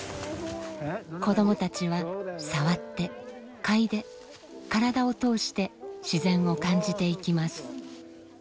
子どもたちは触って嗅いで身体を通して自然を感じていきます。